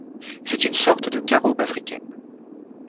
C'est une sorte de caroube africaine.